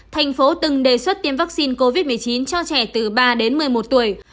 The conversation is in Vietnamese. thành phố từng đề xuất tiêm vaccine covid một mươi chín cho trẻ từ ba đến một mươi một tuổi